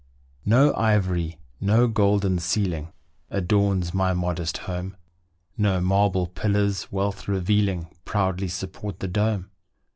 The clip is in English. No ivory no golden ceiling Adorns my modest home; No marble pillars, wealth revealing Proudly support the dome.